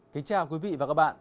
kính chào quý vị và các bạn